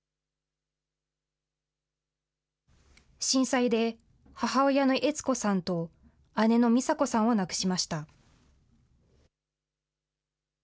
震災で母親の悦子さんと、姉の美紗子さんを亡くしました。